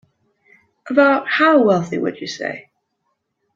About how wealthy would you say?